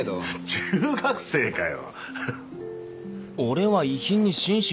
中学生かよ。